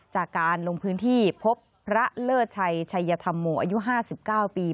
จากการลงพื้นที่พบพระเลิศชัยชัยธรรมโมอายุ๕๙ปี